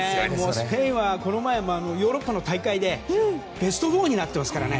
スペインは、この前ヨーロッパの大会でベスト４になってますからね。